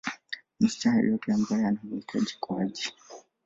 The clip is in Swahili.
msichana yeyote ambaye anamuhitaji kwa ajili